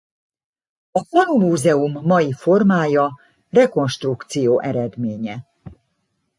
A falumúzeum mai formája rekonstrukció eredménye.